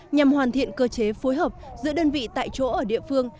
nhằm hoàn thiện cơ chế phối hợp giữa đơn vị tại chỗ ở địa phương